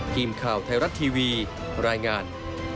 ทีมข่าวไทยรัฐทีวีรายงาน